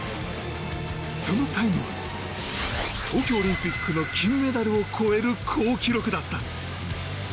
そのタイムは東京オリンピックの金メダルを超える好記録だった。